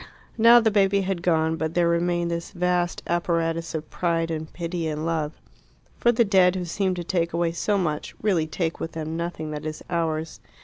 Now the baby had gone, but there remained this vast apparatus of pride and pity and love. For the dead, who seemed to take away so much, really take with them nothing that is ours.